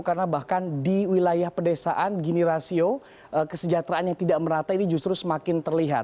karena bahkan di wilayah pedesaan gini rasio kesejahteraan yang tidak merata ini justru semakin terlihat